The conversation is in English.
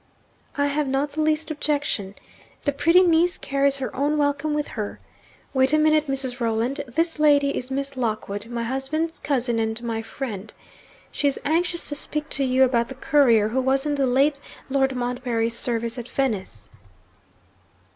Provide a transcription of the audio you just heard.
'I have not the least objection. The pretty niece carries her own welcome with her. Wait a minute, Mrs. Rolland. This lady is Miss Lockwood my husband's cousin, and my friend. She is anxious to speak to you about the courier who was in the late Lord Montbarry's service at Venice.'